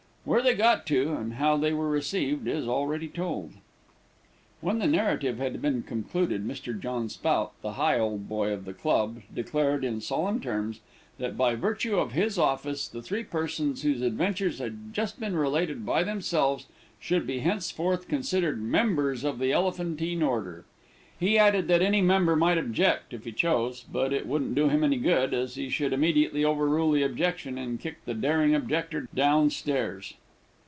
Where they got to, and how they were received, is already told. When the narrative had been concluded, Mr. John Spout, the Higholdboy of the club, declared in solemn terms, that, by virtue of his office, the three persons whose adventures had just been related by themselves should be henceforth considered members of the Elephantine order. He added that any member might object if he chose, but it wouldn't do him any good, as he should immediately overrule the objection, and kick the daring objector down stairs.